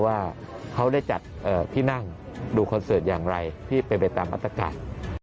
ว่าเขาได้จัดที่นั่งดูคอนเสิร์ตอย่างไรที่เป็นไปตามมาตรการ